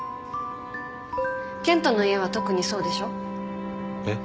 健人の家は特にそうでしょ？えっ？